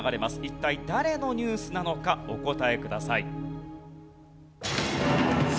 一体誰のニュースなのかお答えください。